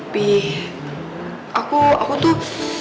bi aku tuh